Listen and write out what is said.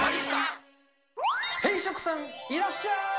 偏食さん、いらっしゃーい。